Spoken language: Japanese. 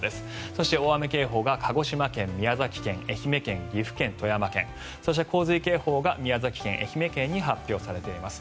そして大雨警報が鹿児島県、宮崎県、愛媛県岐阜県、富山県そして洪水警報が宮崎県、愛媛県に発表されています。